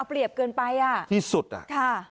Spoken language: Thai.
เรียบเกินไปอ่ะที่สุดอ่ะค่ะ